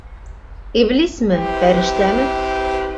Иблисме, фәрештәме?